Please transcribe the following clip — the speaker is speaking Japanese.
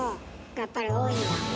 やっぱり多いんだ。